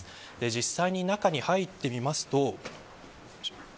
実際に中に入ってみますと。